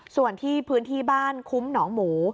ส่วนที่พื้นที่บ้านคุ้มหนองหมู